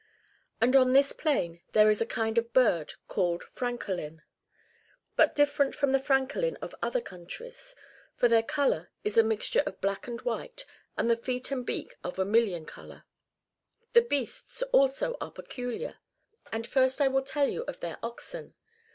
] And on this plain there is a kind of bird called francolin, but different from the francolin of other countries, for their colour is a mixture of black and white, and the feet and beak are vermilion colour.^ The beasts also are peculiar ; and first I will tell you of their oxen.